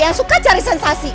yang suka cari sensasi